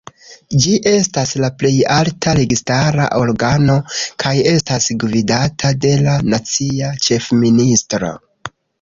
Ĝi estas la plej alta registara organo, kaj estas gvidata de la nacia ĉefministro.